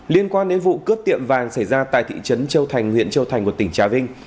liên quan đến vụ cướp tiệm vàng xảy ra tại thị trấn châu thành huyện châu thành của tỉnh trà vinh